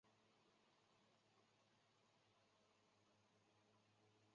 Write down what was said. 看了看手表